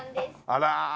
あら。